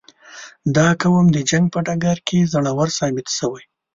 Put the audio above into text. • دا قوم د جنګ په ډګر کې زړور ثابت شوی.